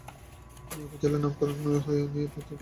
এ উপজেলার নামকরণ নিয়ে তিনটি ভিন্ন মত প্রচলিত আছে।